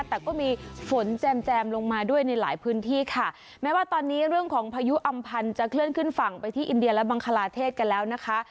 แต่ก็มีฝนแจมแจมลงมาด้วยในหลายพื้นที่ค่ะแม้ว่าตอนนี้เรื่องของพายุอำพันธ์จะเคลื่อนขึ้นฝั่งไปที่อินเดียและบังคลาเทศกันแล้วนะคะ